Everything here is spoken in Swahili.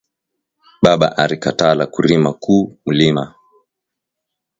Baba arikatala kurima ku mulima